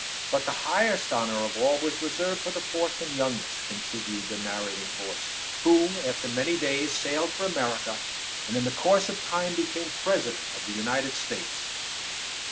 But the highest honor of all was reserved for the fourth, and youngest," continued the narrating voice, "who, after many days, sailed for America, and, in the course of time, became President of the United States."